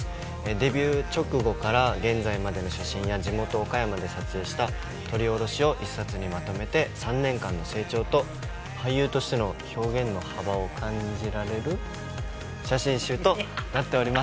デビュー直後から現在までの写真や地元岡山で撮影した撮り下ろしを一冊にまとめて３年間の成長と俳優としての表現の幅を感じられる写真集となっております。